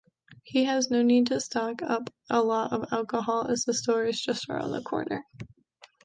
He has no need to stock up a lot of alcohol, as the store is just around the corner.